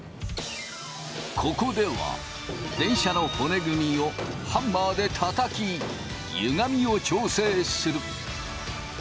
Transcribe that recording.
ここでは電車の骨組みをハンマーでたたきゆがみを調整する。